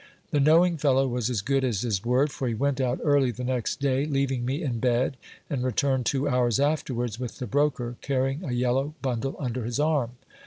The knowing fellow was as good as his word ; for he went out early the next day, leaving me in bed, and returned two hours afterwards with the broker, carrying a yellow bundle under his arm.